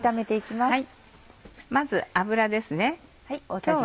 まず油ですね。